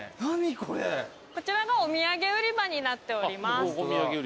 こちらがお土産売り場になっております。